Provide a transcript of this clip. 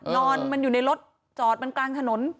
นอนมันอยู่ในรถจอดมันกลางถนน